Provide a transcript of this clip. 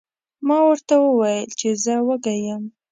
ما ورته وویل چې زه وږی یم.